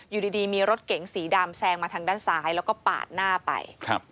อยู่ดีมีรถเก๋งสีดำแซงมาทางด้านซ้ายแล้วก็ปาดหน้าไป